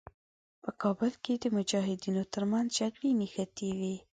په کابل کې د مجاهدینو تر منځ جګړې نښتې وې.